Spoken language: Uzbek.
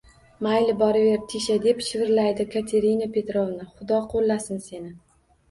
– Mayli, boraver, Tisha, – deb shivirlaydi Katerina Petrovna. – Xudo qoʻllasin seni.